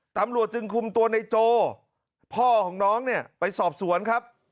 ตำรวจจึงคุมตัวในโจพ่อของน้องเนี่ยไปสอบสวนครับ